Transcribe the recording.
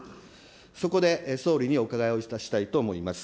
そこで、総理にお伺いをいたしたいと思います。